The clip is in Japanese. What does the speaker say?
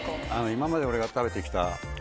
今まで俺が食べてきた。